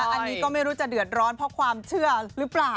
อันนี้ก็ไม่รู้จะเดือดร้อนเพราะความเชื่อหรือเปล่า